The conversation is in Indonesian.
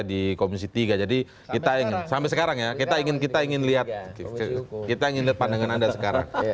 di komisi tiga jadi kita ingin sampai sekarang ya kita ingin lihat pandangan anda sekarang